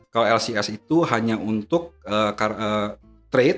kalau lcs itu hanya untuk trade perdagangan dan untuk direct investment seperti itu